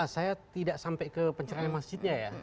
saya tidak sampai ke pencerahan masjidnya ya